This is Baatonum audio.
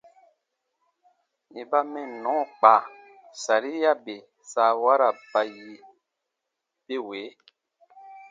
Yè ba mɛnnɔ kpa, saria bè saawara ba yi be wee: